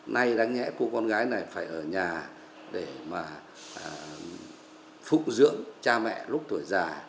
nay đáng nhẽ cô con gái này phải ở nhà để mà phụ dưỡng cha mẹ lúc tuổi già